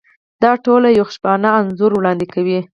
دا ټول یو خوشبینانه انځور وړاندې کوي.